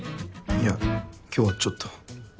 いや今日はちょっと。